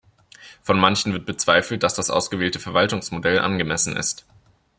Von manchen wird bezweifelt, dass das ausgewählte Verwaltungsmodell angemessen ist.